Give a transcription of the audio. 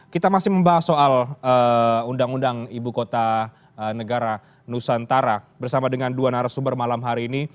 kita masih membahas soal undang undang ibu kota negara nusantara bersama dengan dua narasumber malam hari ini